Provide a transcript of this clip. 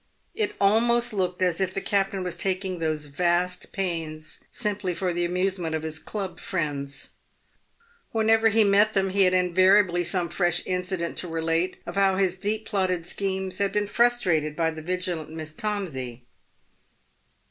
It almost looked as if the captain was taking those vast pains simply for the amusement of his club friends. Whenever he met them, he had invariably some fresh incident to relate of how his deep plotted schemes had been frustrated by the vigilant Miss Tomsey.